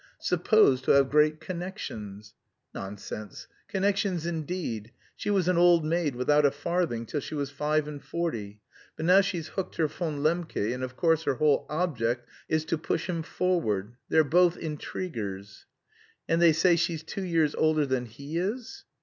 supposed to have great connections." "Nonsense! Connections indeed! She was an old maid without a farthing till she was five and forty. But now she's hooked her Von Lembke, and, of course, her whole object is to push him forward. They're both intriguers." "And they say she's two years older than he is?"